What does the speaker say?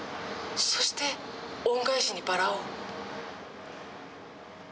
そして恩返しにバラを。